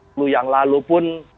dulu yang lalu pun